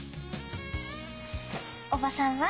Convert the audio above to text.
おばさんは？